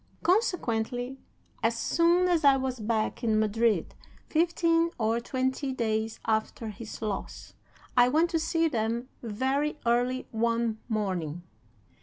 Consequently, as soon as I was back in Madrid, fifteen or twenty days after his loss, I went to see them very early one morning.